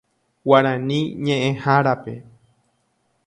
Guarani ñe'ẽhárape.